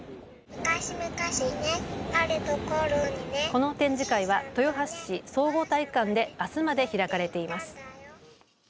この展示会は豊橋市総合体育館であすまで開かれています。